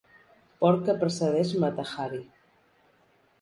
Porc que precedeix Mata-Hari.